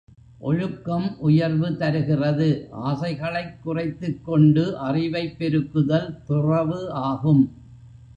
ஒழுக்கம் உயர்வு தருகிறது ஆசைகளைக் குறைத்துக்கொண்டு அறிவைப் பெருக்குதல் துறவு ஆகும்.